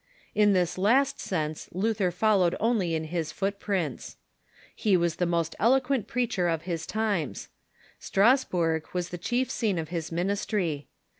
In this last sense Luther followed only in his footprints. He was the most eloquent preacher of his times. Strasburg was the chief scene of his ministry.